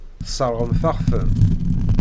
Tesseṛɣemt-aɣ-ten.